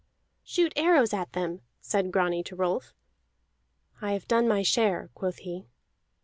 "Shoot arrows at them," said Grani to Rolf. "I have done my share," quoth he.